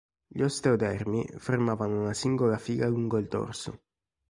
Gli osteodermi formavano una singola fila lungo il dorso.